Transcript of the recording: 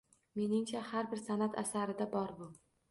Meningcha, har bir san’at asarida bor bu.